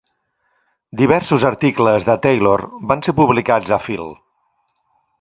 Diversos articles de Taylor van ser publicats a Phil.